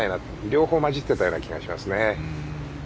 両方交じっていたような気がしますね。